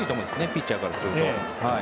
ピッチャーからすれば。